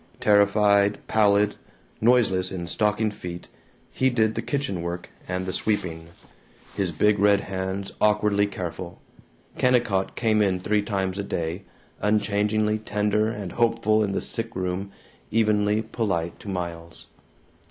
Terrified, pallid, noiseless in stocking feet, he did the kitchen work and the sweeping, his big red hands awkwardly careful. Kennicott came in three times a day, unchangingly tender and hopeful in the sick room, evenly polite to Miles.